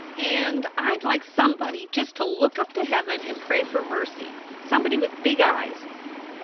... And I d like somebody just to look up to heaven and pray for mercy somebody with big eyes.